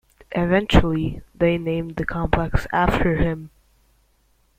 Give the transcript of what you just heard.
Eventually, they named the complex after him.